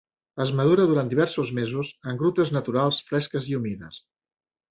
Es madura durant diversos mesos en grutes naturals fresques i humides.